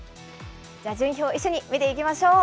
順位表、一緒に見ていきましょう。